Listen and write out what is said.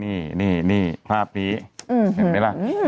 นี่นี่นี่ภาพนี้เห็นไหมล่ะ